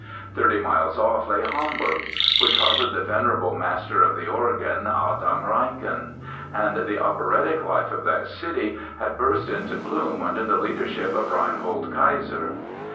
Thirty miles off lay Hamburg, which harbored the venerable master of the organ, Adam Reinken; and the operatic life of that city had burst into bloom under the leadership of Reinhard Keiser.